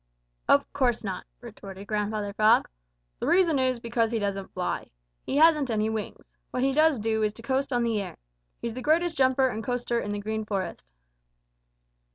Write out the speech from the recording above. "Of course not," retorted Grandfather Frog. "The reason is because he doesn't fly. He hasn't any wings. What he does do is to coast on the air. He's the greatest jumper and coaster in the Green Forest."